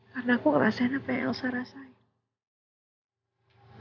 karena aku ngerasain apa yang elsa rasain